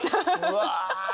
うわ！